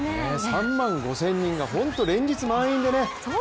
３万５０００人が、連日満員でね。